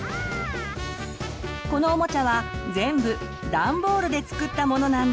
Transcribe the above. このおもちゃは全部ダンボールで作ったものなんです。